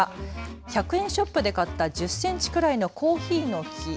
１００円ショップで買った１０センチくらいのコーヒーの木。